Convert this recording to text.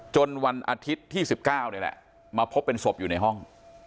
วันอาทิตย์ที่๑๙นี่แหละมาพบเป็นศพอยู่ในห้อง